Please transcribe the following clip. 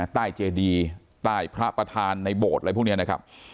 ใต้เจดีใต้พระประธานในโบสถ์อะไรพวกนี้นะครับ